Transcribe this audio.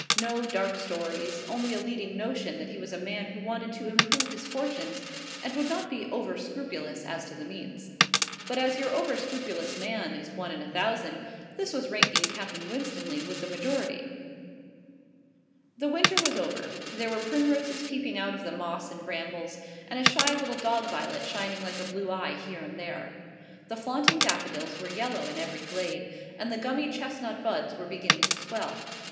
No dark stories; only a leading notion that he was a man who wanted to improve his fortunes, and would not be over scrupulous as to the means. But as your over scrupulous man is one in a thousand, this was ranking Captain Winstanley with the majority. The winter was over; there were primroses peeping out of the moss and brambles, and a shy little dog violet shining like a blue eye here and there. The flaunting daffodils were yellow in every glade, and the gummy chestnut buds were beginning to swell.